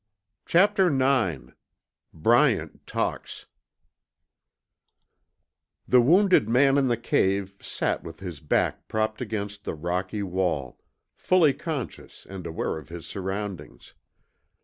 Chapter IX BRYANT TALKS The wounded man in the cave sat with his back propped against the rocky wall, fully conscious and aware of his surroundings.